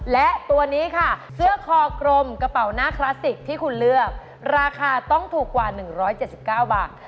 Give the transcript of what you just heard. และตัวนี้ค่ะเสื้อคอกรมกระเป๋าหน้าคลาสสิกที่คุณเลือกราคาต้องถูกกว่า๑๗๙บาท